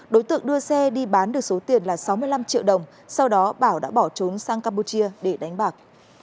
đối tượng đưa xe đi bán được số tiền là sáu mươi năm triệu đồng sau đó bảo đã bỏ trốn sang campuchia để đánh bạc